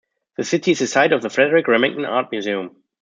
The city is the site of the Frederic Remington Art Museum.